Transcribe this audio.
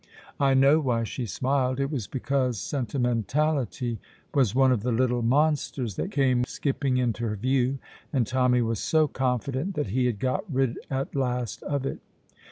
I know why she smiled; it was because sentimentality was one of the little monsters that came skipping into her view, and Tommy was so confident that he had got rid at last of it!